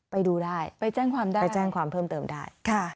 ไปดูได้ไปแจ้งความเพิ่มเติมได้